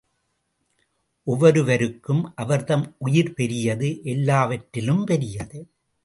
ஒவ்வொருவருக்கும் அவர்தம் உயிர்பெரியது எல்லாவற்றிலும் பெரியது.